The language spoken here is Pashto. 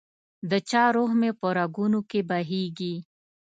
دچا روح مي په رګونو کي بهیږي